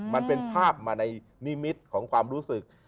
มันเป็นภาพมาในนิมิตของความรู้สึก